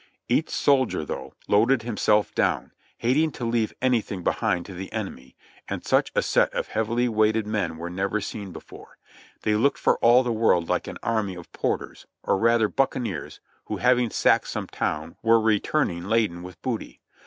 Each soldier, though, loaded himself down, hating to leave any thing behind to the enemy, and such a set of heavily weighted men were never seen before; they looked for all the world like an army of porters, or rather buccaneers, who, having sacked some town, were returning laden with booty.